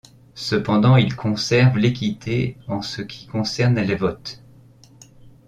Cependant ils conservèrent l'équité en ce qui concerne les votes.